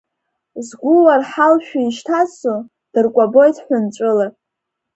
Згәы уарҳалшәа ишьҭазҵо, дыркәабоит ҳәынҵәыла.